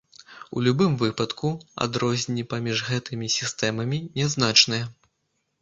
У любым выпадку адрозненні паміж гэтымі сістэмамі нязначныя.